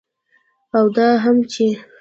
او دا هم چې